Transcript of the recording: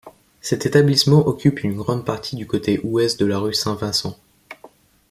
Cet établissement occupe une grande partie du côté ouest de la rue Saint-Vincent.